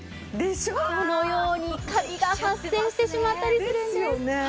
このようにカビが発生してしまったりするんです。